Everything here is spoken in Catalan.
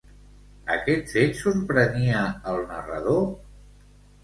Aquest fet sorprenia el narrador?